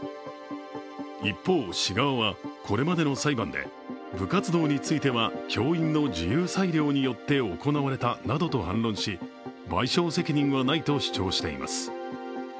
一方、市側はこれまでの裁判で部活動については教員の自由裁量によって行われたなどと反論し賠償責任はないと主張しています。